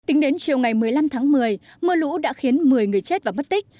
tính đến chiều ngày một mươi năm tháng một mươi mưa lũ đã khiến một mươi người chết và mất tích